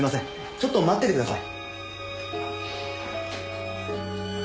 ちょっと待っててください。